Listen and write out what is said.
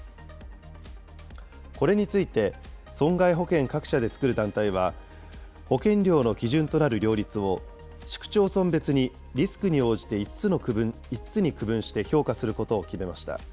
これについて、損害保険各社で作る団体は、保険料の基準となる料率を、市区町村別にリスクに応じて５つに区分して評価することを決めました。